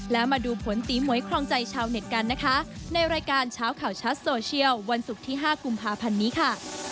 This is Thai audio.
แล้วมาดูผลตีหมวยครองใจชาวเน็ตกันนะคะในรายการเช้าข่าวชัดโซเชียลวันศุกร์ที่๕กุมภาพันธ์นี้ค่ะ